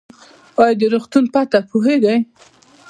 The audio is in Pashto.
ایا د روغتون پته پوهیږئ؟